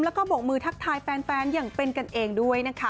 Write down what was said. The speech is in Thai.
แล้วก็บกมือทักทายแฟนอย่างเป็นกันเองด้วยนะคะ